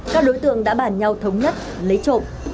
các đối tượng đã bàn nhau thống nhất lấy trộm